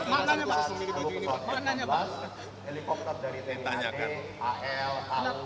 maksudnya apa pak